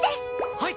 はい！